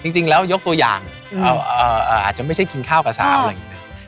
จริงแล้วยกตัวอย่างอาจจะไม่ใช่กินข้าวกับสาวอะไรอย่างนี้นะ